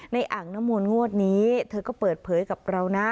ในอังนมวลงวดนี้เธอก็เปิดเผยกับเรานะ